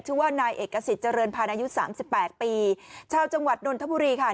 ชื่อว่านายเอกสิทธิเจริญพันธ์อายุสามสิบแปดปีชาวจังหวัดนนทบุรีค่ะ